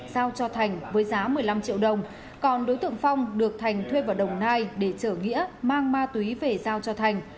giao cho thành với giá một mươi năm triệu đồng còn đối tượng phong được thành thuê vào đồng nai để chở nghĩa mang ma túy về giao cho thành